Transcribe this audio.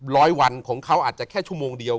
ร้อยวันของเขาอาจจะแค่ชั่วโมงเดียว